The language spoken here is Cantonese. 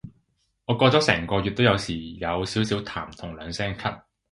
我過咗成個月都有時有少少痰同兩聲咳